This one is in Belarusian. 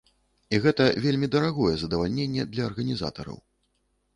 І гэта вельмі дарагое задавальненне для арганізатараў.